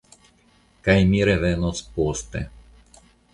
Kaj mi revenos poste.